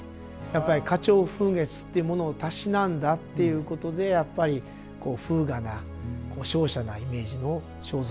やっぱり花鳥風月っていうものをたしなんだっていうことでやっぱり風雅な瀟洒なイメージの装束を合わせていくことになります。